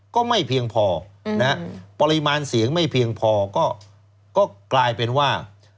ก็ไม่เพียงพอนะฮะปริมาณเสียงไม่เพียงพอก็กลายเป็นว่า